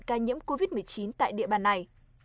ca nhiễm covid một mươi chín tại địa bàn này